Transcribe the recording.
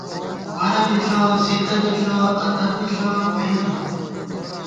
ورہ بی ݪہ زِتہ بی ݪہ ادب بی ݪہ بئی تھنہ